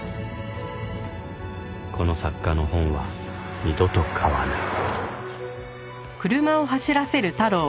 この作家の本は二度と買わない